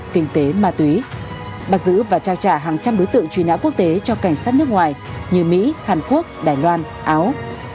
kinh tế ma túy bắt giữ và trao trả hàng trăm đối tượng truy nã quốc tế cho cảnh sát nước ngoài như mỹ hàn quốc đài loan áo